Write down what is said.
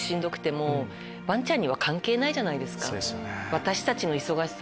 私たちの忙しさって。